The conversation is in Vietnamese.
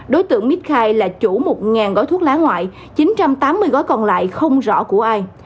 đối tượng mít khai là chủ một gói thuốc lá ngoại chín trăm tám mươi gói còn lại không rõ của ai